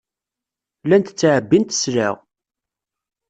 Llant ttɛebbint sselɛa.